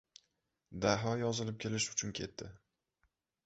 Daho yozilib kelish uchun ketdi.